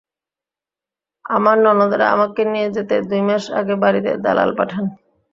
আমার ননদেরা আমাকে নিয়ে যেতে দুই মাস আগে বাড়িতে দালাল পাঠান।